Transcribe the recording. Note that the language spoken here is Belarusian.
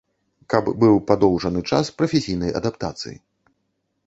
Каб быў падоўжаны час прафесійнай адаптацыі.